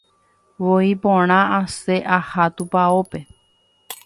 Voi porã asẽ aha tupãópe.